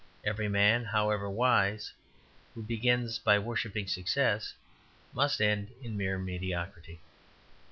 Every man, however wise, who begins by worshipping success, must end in mere mediocrity.